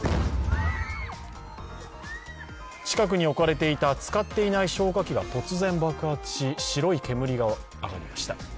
近くに置かれていた使っていない消火器が突然爆発し白い煙が上がりました。